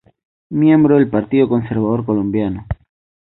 Miembro del Partido Conservador Colombiano.